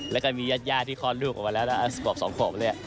และก็มียาที่คลอดลูกออกมาแล้วนะสกวบเลย